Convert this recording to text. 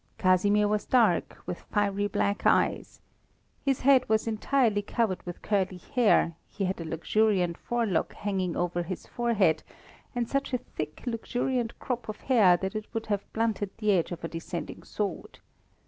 Casimir was dark, with fiery black eyes. His head was entirely covered with curly hair, he had a luxuriant forelock hanging over his forehead, and such a thick, luxuriant crop of hair that it would have blunted the edge of a descending sword.